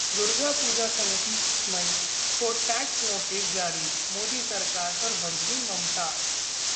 'दुर्गा पूजा समिति मंच' को टैक्स नोटिस जारी, मोदी सरकार पर भड़कीं ममता